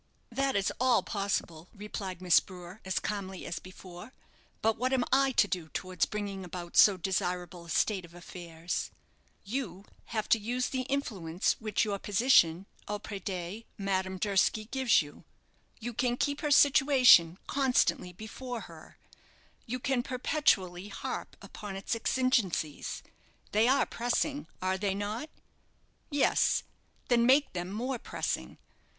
"That is all possible," replied Miss Brewer, as calmly as before; "but what am I to do towards bringing about so desirable a state of affairs." "You have to use the influence which your position auprès de Madame Durski gives you. You can keep her situation constantly before her, you can perpetually harp upon its exigencies they are pressing, are they not? Yes then make them more pressing.